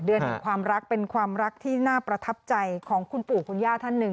เดือนแห่งความรักเป็นความรักที่น่าประทับใจของคุณปู่คุณย่าท่านหนึ่ง